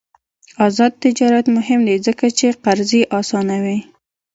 آزاد تجارت مهم دی ځکه چې قرضې اسانوي.